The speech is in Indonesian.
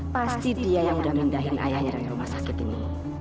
pasti dia yang udah mindahin ayahnya dari rumah sakit ini